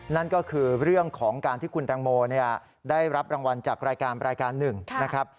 นั่นก็คือเรื่องของการที่คุณแตงโมได้รับรางวัลจากรายการรายการหนึ่งนะครับ